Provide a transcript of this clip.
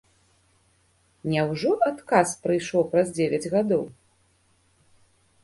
Няўжо адказ прыйшоў праз дзевяць гадоў?